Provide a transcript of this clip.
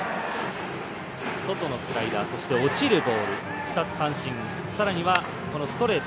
外のスライダーそして落ちるボール２つ三振さらにはこのストレート。